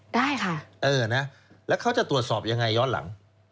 ได้ค่ะเออนะแล้วเขาจะตรวจสอบยังไงย้อนหลัง